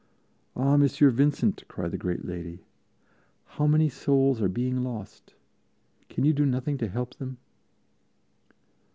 "Ah, Monsieur Vincent," cried the great lady, "how many souls are being lost! Can you do nothing to help them?"